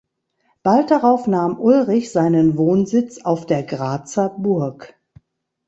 Bald darauf nahm Ulrich seinen Wohnsitz auf der Grazer Burg.